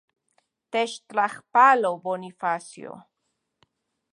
Techtlajpalo, Bonifacio.